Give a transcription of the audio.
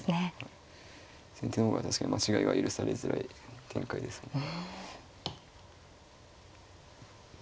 先手の方が確かに間違いが許されづらい展開ですね。